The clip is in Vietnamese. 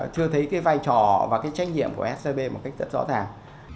chưa thấy cái vai trò và cái trách nhiệm của scb một cách rất rõ ràng